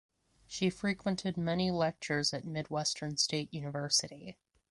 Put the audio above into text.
She frequented many lectures at Midwestern State University.